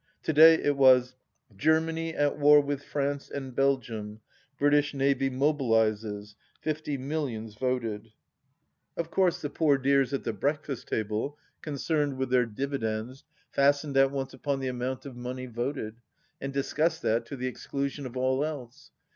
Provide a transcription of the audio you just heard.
To day it was : "Germany — ^at — ^war — with — France — and — Belgium — British — ^Navy — ^mobilizes — ^fifty — ^millions — ^voted." 91 OU THE LAST DITCH Of course the poor dears at the breakfast table, concerned with their dividends, fastened at once upon the amount of money voted, and discussed that to the exclusion of all else.